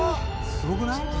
すごくない？